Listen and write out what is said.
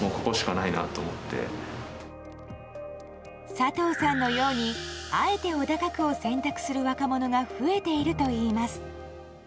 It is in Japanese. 佐藤さんのようにあえて小高区を選択する若者が増えているといいます。